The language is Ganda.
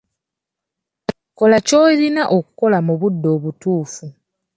Kola ky'olina okukola mu budde obutuufu.